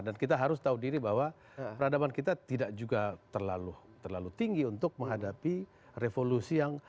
dan kita harus tahu diri bahwa peradaban kita tidak juga terlalu tinggi untuk menghadapi revolusi yang